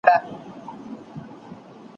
زه به اوږده موده سينه سپين کړی وم!؟